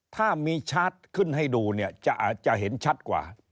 ถ้ามีชัดขึ้นให้ดูเนี่ยจะเห็นชัดกว่า